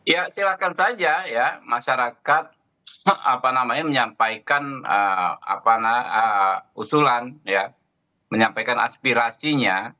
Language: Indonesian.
ya silahkan saja ya masyarakat menyampaikan usulan menyampaikan aspirasinya